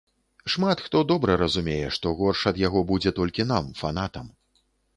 Шмат хто добра разумее, што горш ад яго будзе толькі нам, фанатам.